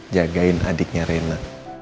jagain adiknya rena